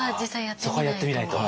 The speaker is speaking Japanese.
そこはやってみないと。